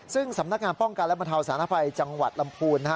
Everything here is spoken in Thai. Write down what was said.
ซึ่งสำนักงานป้องกันและบรรเทาสารภัยจังหวัดลำพูน